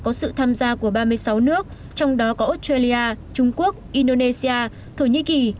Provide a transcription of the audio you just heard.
có sự tham gia của ba mươi sáu nước trong đó có australia trung quốc indonesia thổ nhĩ kỳ